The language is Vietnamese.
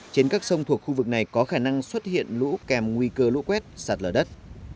trên các sông thuộc khu vực này có khả năng xuất hiện lũ kèm nguy cơ lũ quét sạt lở đất